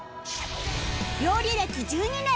料理歴１２年